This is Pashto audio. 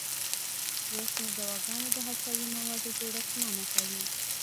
یو شمېر دواګانې د هستوي موادو جوړښت منع کوي.